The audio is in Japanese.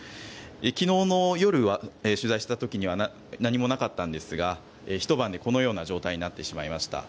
昨日の夜に取材した時は何もなかったんですがひと晩でこのような状態になってしまいました。